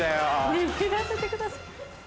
「握らせてください」。